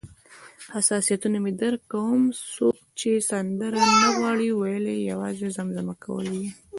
حساسیتونه مې درک کوم، څوک چې سندره نه غواړي ویلای، یوازې زمزمه کوي یې.